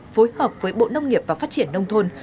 phối hợp với bộ nông nghiệp và phát triển nông thôn